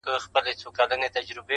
بازاري ویل راځه چي ځو ترکوره؛